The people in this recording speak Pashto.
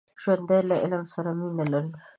ژوندي له علم سره مینه لري